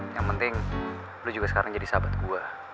yang penting lo juga sekarang jadi sahabat gua